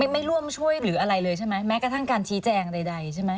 ไม่ร่วมช่วยหรืออะไรเลยใช่ไหมแม้กระทั่งการชี้แจงใดใช่ไหม